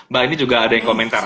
mbak ini juga ada yang komentar